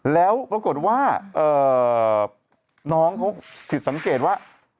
แล้วปรากฏว่าน้องเขาผิดสังเกตว่า